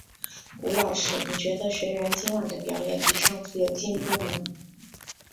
吴老师，你觉得学员今晚的表演比上次有进步吗？